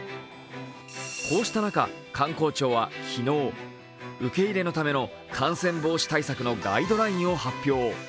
こうした中、観光庁は昨日受け入れのための感染防止対策のガイドラインを発表。